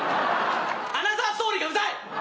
アナザーストーリーがうざい！